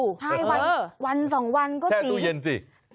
ใช่วันสองวันก็สีเท่าสุดเย็นสิแชทูเย็นสิ